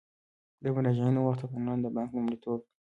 د مراجعینو وخت ته پاملرنه د بانک لومړیتوب دی.